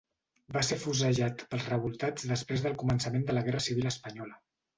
Va ser afusellat pels revoltats després del començament de la Guerra civil espanyola.